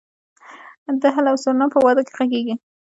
دهل او سرنا په واده کې غږیږي؟